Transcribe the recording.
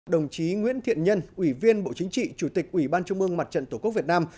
đồng chí nguyễn thiện nhân ủy viên bộ chính trị chủ tịch ủy ban trung mương mặt trận tổ quốc việt nam